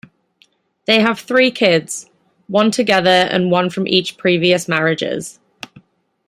They have three kids, one together and one each from previous marriages.